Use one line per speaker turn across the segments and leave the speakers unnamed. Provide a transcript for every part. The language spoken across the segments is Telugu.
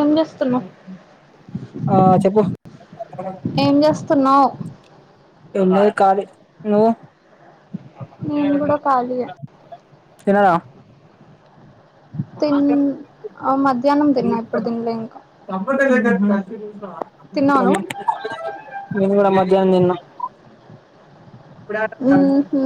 ఏం చేస్తున్నవ్
ఆ చెప్పు
స్తున్నావ్
ఉన్నదే కాలి నువ్
నేను కూడా కాలియే
తీనారా
తిన్ ఆ మధ్యాహ్నం తిన్నా ఇప్పుడు తినలే ఇంకా
తప్పతస
తిన్నావా నువ్వు
నేను కూడా మధ్యాహ్నం తిన్న
ఉహు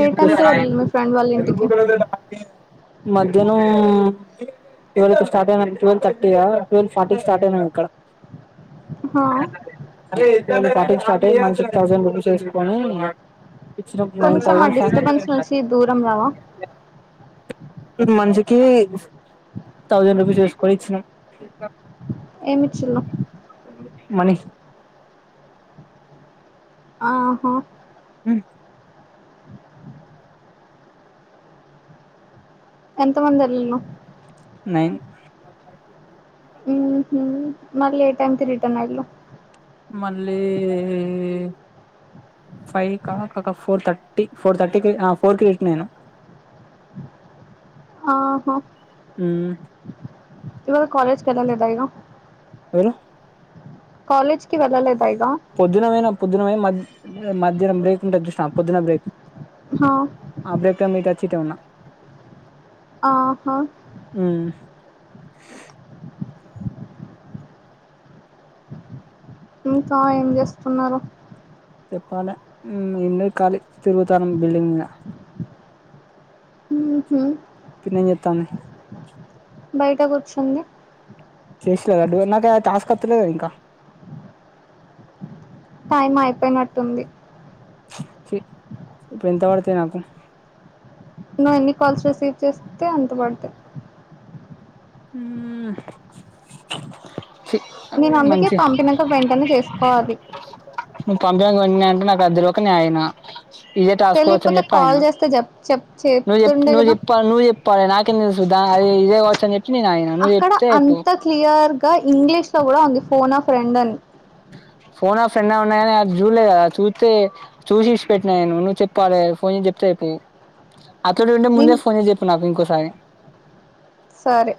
ఏ టైంకి వెళ్ళిళ్ళు మీ ఫ్రెండ్ వాళ్ళ ఇంటికి?
మధ్యాహ్నం ట్వెల్ కి స్టార్ట్ అయినం ట్వెల్వ్ థర్టీ ఆ ట్వెల్వ్ ఫార్టీకి స్టార్ట్ అయినం ఇక్కడ
హ
థర్టీ కి స్టార్ట్ అయి మనిషికి థౌసండ్ రూపీస్ ఏసుకొని ఇచ్చినప్పుడు నైన్
కొంచెం ఆ
థౌజండ్
డిస్టర్బెన్స్ నుంచి దూరం రావా
మనిషికి థౌజండ్ రూపీస్ ఏసుకొని ఇచ్చినం
ఏమిచ్చిల్లు
మనీ
ఆహ
మ్
ఎంత మంది ఎళ్ళను
నైన్
మ్ హు మళ్ళీ ఏ టైమ్ తిరుతాను ఎళ్ళు
మళ్ళీ ఫైవ్క క క ఒక ఫోర్ థర్టీ ఫోర్ థర్టీకి ఆ ఫోర్కి నేను
ఆహా
మ్మ్
ఇవాళ కాలేజ్కి ఎళ్ళలేద ఇగ
వెళ్ళ
కాలేజ్కి వెళ్ళలేద
పొద్దున పోయిన పొద్దున పొయ్ మధ్ మధ్యాహ్నం బ్రేక్ ఉంటది చూసినవ పొద్దున బ్రేక్
హా
కమ్మి ఇటొచ్చి ఇటే ఉన్నా
ఆహా
ఉమ్
ఇంకా ఏం చేస్తున్నారు
చెప్పాలి ఏం లేదు ఖాళీ తిరుగుతానం బిల్డింగ్ మీద
మ్ హు
పిన్ని ఏం చెత్తాంది
బయిట కుర్చుంది.
చేస్తలే ఆడు నాకి టాస్క్ వత్తలేదు ఇంక
టైం అయిపోయినట్టుంది
ఛి ఇప్పుడు ఎంత పడతయి నాకు
నువ్వు ఎన్ని కాల్స్ రిసీవ్ చేస్తే అంత పడతయ్
హ్మ్
నేను అందుకే పంపినాక వెంటనే చేసుకోవాలి
నువ్వు పంపిన వెంటనే అంటే నాకు అద్దలోకే నయన ఇదే టాస్కో వచ్చని
తెలియకపోతే
చెప్పి ఆయన
కాల్ చేస్తే చెప్ చెప్
నువ్వు చెప్పు
చెప్తుండే
నువ్వు
కదా
చెప్పా నువ్వు చె ప్పాలి నాకేం తెలుసు దా అది ఇదే కావచ్చ అని చెప్
అక్కడ అంత క్లియర్గా ఇంగ్లీష్లో కూడా ఉంది ఫోన్ ఆ ఫ్రెండ్ అని
ఫోన్ ఆ ఫ్రెండ్ ఉన్నాయని అది జూడలేదు కదా చూస్తే చూసి ఇచ్చి ఇడిచిపెట్టిన నేను నువ్వు చెప్పాలె ఫోన్ చెప్తే అయిపోయే అతడు ఉంటే ముందే
నేను
ఫోన్ చేసి చెప్పు నాకు ఇంకోసారి
సరే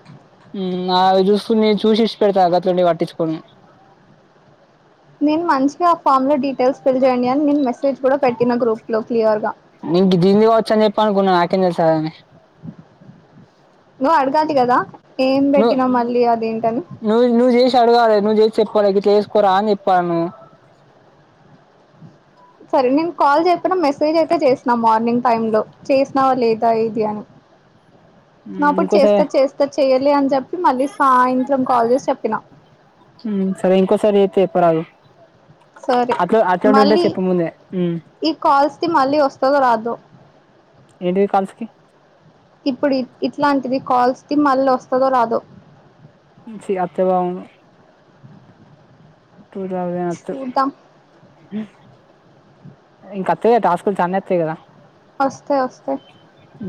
మ్మ్ అవి చూసుకుని చూసి ఇడిసి పెడతా గట్లంటి పట్టించుకొను
నేను మంచిగా ఆ ఫామ్ లో డీటెయిల్స్ ఫిల్ చేయండి అని నేను మెసేజ్ కూడా పెట్టిన గ్రూప్ లో క్లియర్గా
నీకు దీంది కావచ్చు అని చెప్ప అనుకున్నా నాకేం తెలుసు అలా అని
నువ్ అడగాటి కదా ఏం
నువ్వె
పెట్టినా మళ్ళీ అదేంటని
నువ్వు నువ్వు చేసి అడగాలి నువ్వు చేసి చెప్పాలి గిట్ల చేసుకోరా అని చెప్పాల నువ్వు
సరే నేను కాల్ చెప్పిన మెసేజ్ అయితే చేసినా మార్నింగ్ టైమ్ లో చేసినావా లేదా ఇది అని
మ్మ్
నాప్పుడు
ఇంకోసారి
చేస్తా చేస్తా చెయ్యాలి అని చెప్పి మళ్ళీ సాయంత్రం కాల్ చేసి చెప్పినా
సరే ఇంకోసారి చేత్తే చెప్పరాదు
సరే
అట్లా అట్లాంటి ఉంటే
మళ్ళీ
చెప్పుముందే
ఈ కాల్స్ తి మళ్ళీ వస్తదో రాదో.
ఏంటిది కాల్స్కి
ఇప్పుడీ ఇట్లాంటిది కాల్స్ది మళ్ళీ వస్తదో రాదో.
ఉం ఛి వత్తే బాగున్ను టూ తౌసండ్ ఒత్తు
చూద్దాం
ఇంకా అత్తాయి గదా టాస్కుల్ చాన్నే వత్తాయి గదా.
వస్తాయి వస్తాయి
ఊ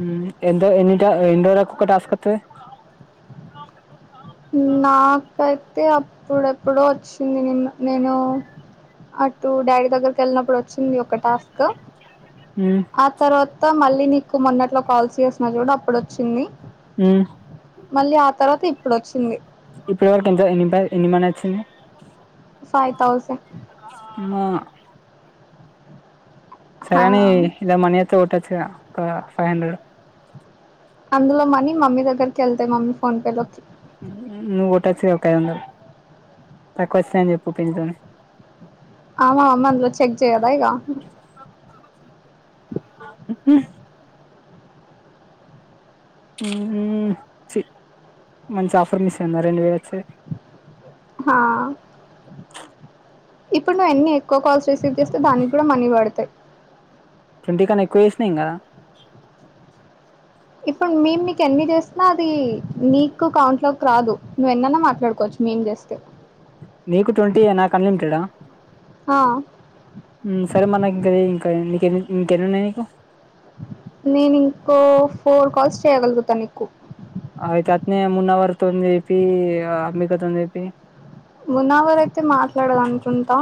ఎంతా ఎన్ని తా ఎన్ని రోజులకు ఒక టాస్క్ వత్తది.
నాకైతే అప్పుడెప్పుడో వచ్చింది నిన్న నేనూ అటూ డాడీ దగ్గరికి వెళ్ళినప్పుడు వచ్చింది ఒక టాస్క
మ్మ్
ఆ తర్వాత మళ్ళీ నీకు మొన్నట్లో కాల్ చేసిన చూడు అప్పుడొచ్చింది.
హ్మూ
మళ్ళీ ఆ తర్వాత ఇప్పుడొచ్చింది
ఇప్పుడు వరకు ఎంతా ఎన్ని పై ఎన్ని మనీ వచ్చింది.
ఫై థౌసండ్
మా సరే అనీ ఇలా మనీ ఐతే కొట్టొచ్చు గదా ఒకా ఫై హండ్రెడ్
అందులో మనీ మమ్మీ దగ్గరికి ఎళ్తాయి మమ్మీ ఫోన్ పే లోకి.
నువ్వు కొట్టచ్చు గదా ఒక ఐదు వందలు. తక్కువస్తాయని చెప్పు పిన్ని తోని
ఆ మా మమ్మి అందులో చెక్ చేయదా ఇగా
ఊహూ ఛి మంచి ఆఫర్ మిస్ అయ్యిందా రెండు వేలు ఒక్కసారి.
హా ఇప్పుడు నువ్వు ఎన్నీ ఎక్కువ కాల్స్ రిసీవ్ చేస్తే దానిక్ గూడా మనీ పడతాయి.
ట్వంటీ కన్నా ఎక్కువ చేశినా ఏం గాదా.
ఇప్పుడు మేం నీక్ ఎన్ని చేశినా అదీ నీకు కౌంట్ లోక్ రాదు నువ్వెన్నా మాట్లాడుకోవచ్చు మేం చేస్తే.
నీకు ట్వంటీ యే నాకు అన్లిమిటెడా.
ఆ
ఊ సరే మళ్ళా ఇంకా చెయ్యి ఇంకా ఎన్ని ఇంకెన్ని ఇంకెన్నున్నాయి నీకు
నేను ఇంకో ఫోర్ కాల్స్ చేయగలుగుతా నీకు
అయితే అట్నే మున్నావర్ తోన్ చేపీ ఇగా అంబిక తోన్ చేపీ.
మునావర్ అయితే మాట్లాడదు అనుకుంటా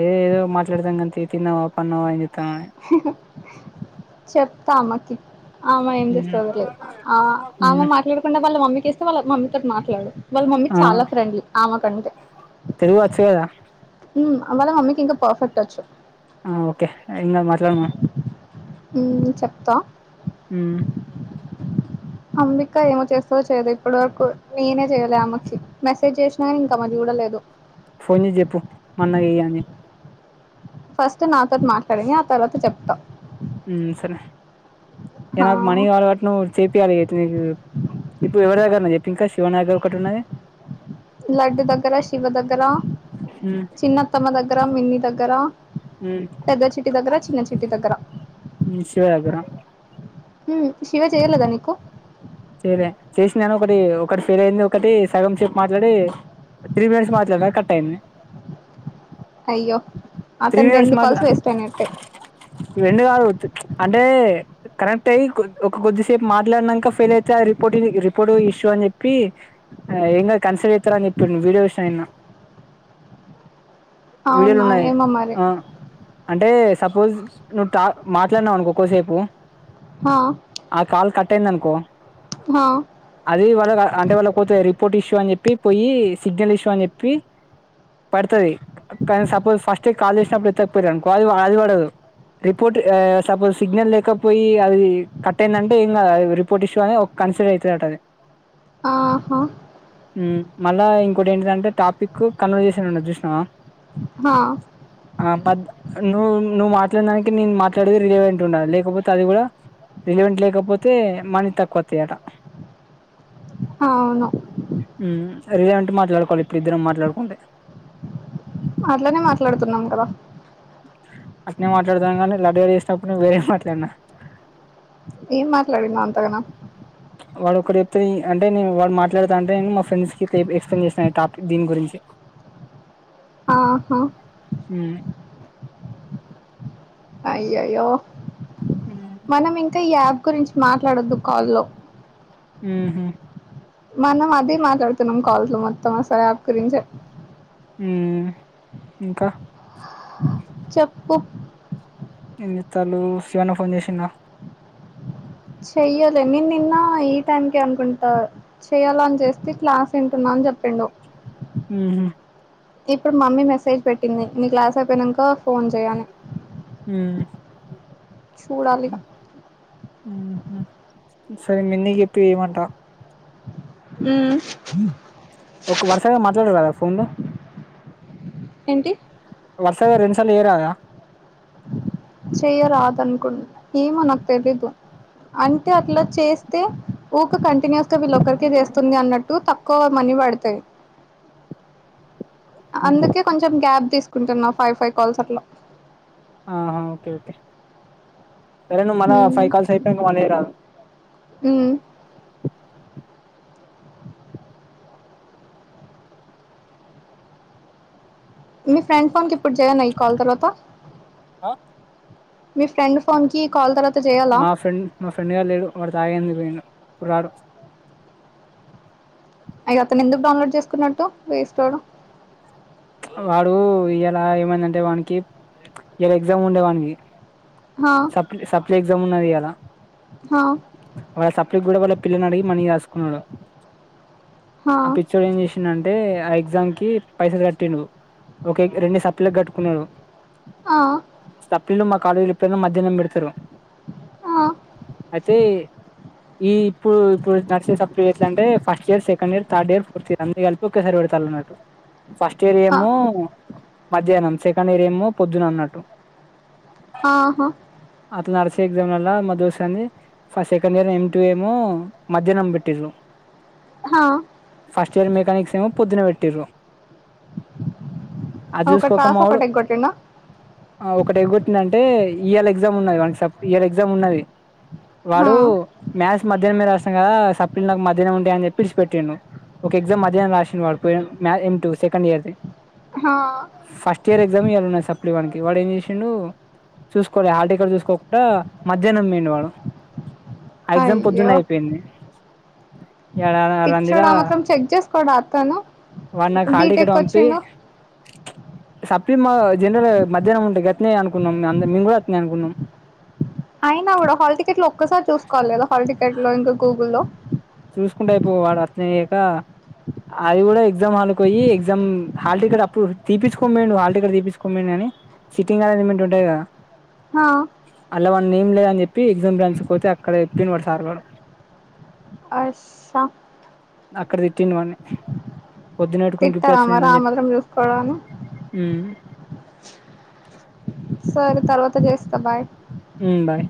ఏ ఏదో మాట్లాడతాం కాన్ తీ తిన్నావా పన్నవా ఏం చేత్
చెప్తా ఆమెకి ఆమె ఏం
అని మ్మ్
చేస్తదో లేదొ ఆ ఆమె
మ్మ్
మాట్లాడకుండా వాళ్ళ మమ్మీకి ఇస్తే వాళ్ళ మమ్మీతోటి మాట్లాడు. వాళ్ళ మమ్మీ
ఆ
చాలా ఫ్రెండ్లీ ఆమె కంటే
తెలుగు వచ్చు కదా
ఊ వాళ్ళ మమ్మీకి ఇంకా పర్ఫెక్ట్ వచ్చు.
ఆ ఓకే ఏం గాదు మాట్లాడమను
ఊ చెప్తా
ఊ
అంబికా ఏమో చేస్తదో చెయ్యదో ఇప్పటివరకు నేనే చెయ్యలే ఆమెకి మెసేజ్ చేశినా గాని ఇంకా మరి చూడ అ లేదు
ఫోన్ జేసి చెప్పు మాఅన్నకి చెయ్యి అని
ఫస్ట్ నాతొటి మాట్లాడింది ఆ తర్వాత చెప్త
ఉమ్ సరే ఇగ
ఆ!
నాకు మనీ కావలె కావట్టి నువ్ చేపియాలె నీకూ ఇప్పుడెవరి దగ్గరున్నది చెప్ నాకు ఒకటున్నది
లడ్డు దగ్గర శివ దగ్గరా
మ్మ్
చిన్నత్తమ్మ దగ్గర మిన్ని దగ్గర
మ్మ్
పెద్ద చిట్టి దగ్గర చిన్న చిట్టి దగ్గర
ఉ శివ దగ్గర
హు శివ చేయలేదా నీకు
చెయలే చేషినగనొకటీ ఒకటి ఫెలయింది ఒకటీ సగంసేప్ మాట్లాడీ త్రీ మినిట్స్ మాట్లడిన కట్టయింది
అయ్యో
త్రీ
అతన్ రెండు
మినిట్స్
కాల్స్
మాట్లా
వేస్ట్ అయినట్టే
రెండు కాదు అంటే కరెక్ట్ అయ్యి కొద్ ఒక కొద్దిసేపు మాట్లాడినంక ఫెల్ అయి తే అది రిపోర్ట్ రిపోర్ట్ ఇష్యూ అన్జెప్పీ ఆ ఏంగాదు కన్సల్ట్ చేత్తరని జెప్పిండు వీడియో జూష్నా నిన్న వీడియోలు
అవునా
ఉన్నాయి
ఏమో మరె
ఆ, అంటే సపోజ్ నువ్ టా మాట్లాడినవనుకో కొసేపు
ఆ!
ఆ కాల్ కట్టయిందనుకో
ఆ!
అదీ వాళ్ళ అంటే వాళ్ళ పోతే రిపోర్టిచు అనిజెప్పి పోయ్యి సిగ్నల్ ఇషూ అనిజెప్పి పడతది కాని సపోజ్ ఫస్టే కాల్ చేసినప్పుడు ఎత్తక్ పొయిరనుకో అది వ అది పడదు రిపోర్ట్ ఆ సపోజ్ సిగ్నల్ లేకపోయి అదీ కట్ అయిందంటే ఏంగాదది రిపోర్ట్ ఇష్ ఒక్కన్సిడర్ అయితదటది
ఆహా
మ్మ్ మళ్ళా ఇంకోటి ఏంటిదంటె టాపిక్ కన్వర్జేషన్ ఉన్నది జూషినవా
హా
ఆ మ నువ్ నువ్వు మాట్లాడినదానికి నేను మాట్లాడేది రిలేవేంట్ ఉండాలి లేకపోతది గూడా రిలెవెంట్ లేకపోతే మనీ తక్కువత్తయట
అవును
రిలెవెంట్ మాట్లాడుకోవాలి ఇప్పుడిద్దరం మాట్లాడుకుంటె
అట్లనే మాట్లాడుతున్నం కదా
అట్నే మాట్లాడుతానం గనీ లడ్డుగాడు చేసినప్పుడు వేరే మాట్లాడ్నా
ఏం మాట్లాడినవ్ అంతగనం
వాడు ఒక్కటి చెప్తే ఈ అంటే నేను వాడు మాట్లాడుతాంటే నేను మా ఫ్రెండ్స్ కి ఎక్స్ప్లెయిన్ చేసిన ఈ టాపిక్ దీని గురించి
ఆహా
ఉమ్
అయ్యయ్యో మనం ఇంకా ఈ యాప్ గురించి మాట్లాడొద్దు కాల్ లో
ఊహు
మనం అదే మాట్లాడుతున్నం కాల్స్ లో మొత్తం అసల్ ఆప్ గురించే
ఊ ఇంకా
చెప్పు
ఎంజెత్తాల్లూ శివాన్న ఫోన్ జెషిండా
చెయ్యలే నేన్ నిన్నా ఈ టైంకే అనుకుంటా చెయ్యాలని చేస్తే క్లాస్ వింటున్నా చెప్పిండు
ఉహు
ఇప్పుడు మమ్మీ మెసేజ్ పెట్టింది నీ క్లాస్ అయిపోయినాక ఫోన్ చేయి అని
హ్మ్
సుడాలి
ఉహు సరే మిన్నికి చేప్పి ఏయ్యిమంటా
ఉహ్
ఒక వరుసగా మాట్లాడ రాధా ఫోన్లో
ఏంటి
వరుసగా రెండు సార్ల చేయరదా
చెయ్యరాదు అనుకుం ఏమో నాక్ తెలిదు అంటే అట్లా చేస్తే ఊకే కంటిన్యూస్ గా వీళ్ళొక్కరికే చేస్తుంది అన్నట్టు తక్కువ మని వడ్తయి అందుకే కొంచెం గ్యాప్ తీసుకుంటున్నా ఫైవ్ ఫైవ్ కాల్స్ అట్లా
ఆహా ఓకే ఓకే సరే నువ్ మల్లా
హ్మ్
ఫైవ్ కాల్స్ అయిపోయినంక మల్లా చేయరాదు
హ్మ్ మీ ఫ్రెండ్ ఫోన్కిప్పుడు చేయనా ఈ కాల్ తర్వాత
ఆ
మీ ఫ్రెండ్ ఫోన్కి కాల్ తర్వాత్
మా ఫ్రెండ్ మా ఫ్రెండ్గా లేడు వాడు తాగందూకి పోయిండు ఇప్పుడు రాడు
అయ్యి అతను ఎందుకు డౌన్లోడ్ చేసుకున్నట్టు వేస్ట్ ఒడు
వాడు ఇయల ఏమైందంటే వానికి ఇయల ఎగ్జామ్ ఉండే వానికి
హా
సప్ సప్లై ఎగ్జామ్ ఉన్నది ఇయల
హా
వాళ్ళ సప్లై కూడా వాళ్ళ పిల్లనడిగి మనీ దాసుకున్నాడు
హా
ఆ పిచ్చోడు ఏం చేసిండ టే ఆ ఎగ్జామ్ కి పైసల్ కట్టిండు ఒకే రెండు సప్లీలకి కట్టుకున్నాడు
హా
సప్లిలు మా కాలేజ్ల ఎప్పుడైనా మధ్యానం పెడతారు
ఆహ్
అయితే ఈ ఇప్పు ఇప్పుడు నాడ్సే సప్లిలు ఎట్లా అంటే first year second year third year fourth year అన్ని కలిపి ఒకేసారి వేడ్ తాళ్లు అన్నట్టు ఫస్ట్ ఇయర్
ఆ
ఏమో మధ్యాహ్నం సెకండ్ ఇయర్ ఏమో పొద్దున అన్నట్టు
ఆహా
అట్లా నాడ్సే ఎగ్జామ్లల్ల మా దోస్తుగంది ఫస్ సెకండ్ ఇయర్ ఎమ్ టు ఏమో మధ్యాహ్నం పెట్టిరు
హా
ఫస్ట్ ఇయర్ మెకనిక్స్ ఏమో పొద్దున పెట్టిరూ అది
ఒకటి
చూసుకోక మా
రాసి
ఒడు
ఒకటి ఎగ్గొట్టిండా
ఒకటి ఎగోట్టిండు అంటే ఇయలా ఎగ్జామ్ ఉన్నది వనికి ఇయలా ఎగ్జామ్ ఉన్నది
హా
వాడు మ్యాథ్స్ మధ్యనమే రాష్నం కదా సప్లీలు నాకు మధ్యానమే ఉంటయి కదా అని చెప్పి ఇడ్సీపెట్టిండు ఒక ఎగ్జామ్ మధ్యానం రాసిండు వాడు పోయి మ్యాథ్స్ ఎమ్ టూ సెకండ్ ఇయర్ది
హా
ఫస్ట్ ఇయర్ ఎగ్జామ్ ఇయాల ఉన్నాది సప్లివానికి వాడు ఏం చేసిండు చూసుకోలే హల్టికెట్ చూసుకోకుండా మధ్యాహ్నం పోయిండు వడు ఆ ఎగ్జామ్
అయ్యో
పొద్దున్నే అయిపోయింది యాడ
పిచ్చోడు ఆ మాత్రం చెక్ చేసుకోడా అతను
వాడ్ నాక్ హాల్టికెట్
బీటెక్
పంపి
వచ్చిండు
సప్లి మా జన్రల్గా మధ్యాహ్నం ఉంటే గట్నే అనుకున్నాం అంద మేము కూడా అట్నే అనుకున్నాం
అయినా కూడా హాల్ టికెట్ లో ఒక్కసారి చూసుకోవాలిలేదా హాల్ టికెట్ లో ఇంకా గూగుల్లో
చూసుకుంటే అయిపో వాడు అత్నేయ్యాక అది కూడా ఎగ్జామ్ హల్కు పోయ్యి ఎగ్జామ్ హల్ టికెట్ అప్పుడు తీపించుకోనిమేండు హల్ టికెట్ తీపించుకోన్మేండు గని సిటింగ్ అరేంజ్మెంట్ ఉంటాయిగా
హ
అల్ల వాని నేమ్ లేదని చెప్పి ఎగ్జామ్రాయించకపోతే అక్కడ చెప్పిన్ వాడు సార్ గాడు
అషా
అక్కడ తిట్టిండు వాన్ని పొద్దునపెట్టుకొని
తిట్టారా
గిప్పుడచ్చినవెంది
మరి ఆ
అని చెప్పి
మాత్రం చూసుకోవడాన్ని
ఉమ్
సరే తర్వాత చేస్తా బాయ్
ఉమ్ బాయ్